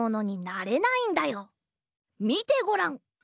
みてごらん！